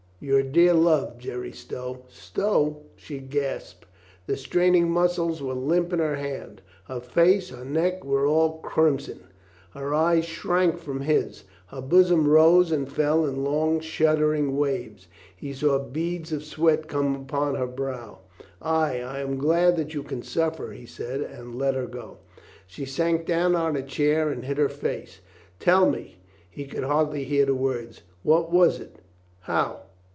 Your dear love, Jerry Stow." "Stow?" she gasped. The straining muscles were limp in his hand ; her face, her neck, were all crim son; her eyes shrank from his; her bosom rose and fell in long shuddering waves ; he saw beads of sweat come upon her brow. "Ay, I am glad that you can suffer," he said and let her go. She sank down on a chair and hid her face. "Tell me," he could hardly hear the words. "What was it? How?